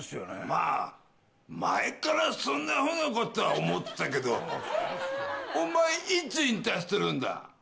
まぁ前からそんなふうなことは思ってたけどお前いつ引退するんだ？